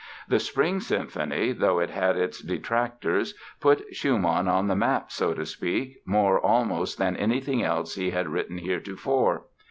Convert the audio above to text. The "Spring Symphony", though it had its detractors, put Schumann on the map, so to speak, more almost than anything else he had written heretofore.